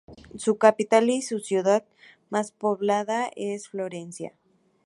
Su capital y ciudad más poblada es Florencia.